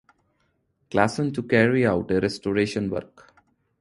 Clason to carry out a restoration work.